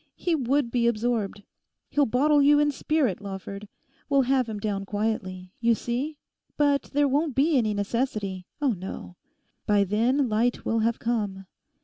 He would be absorbed. He'll bottle you in spirit, Lawford. We'll have him down quietly. You see? But there won't be any necessity. Oh no. By then light will have come.